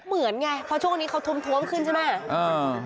เหมือนไงเพราะช่วงนี้เขาท้วมขึ้นใช่ไหม